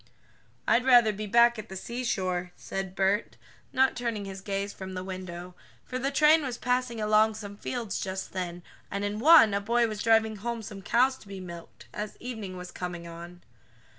"I'd rather be back at the seashore," said Bert, not turning his gaze from the window, for the train was passing along some fields just then, and in one a boy was driving home some cows to be milked, as evening was coming on.